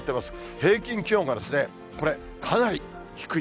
平均気温がこれ、かなり低い。